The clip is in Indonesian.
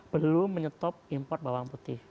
belum menyetop import bawang putih